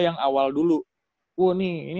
yang awal dulu woh ini